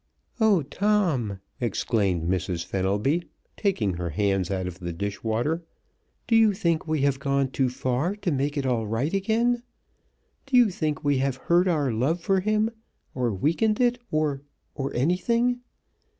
"Oh, Tom!" exclaimed Mrs. Fenelby, taking her hands out of the dish water; "do you think we have gone too far to make it all right again? Do you think we have hurt our love for him, or weakened it, or or anything?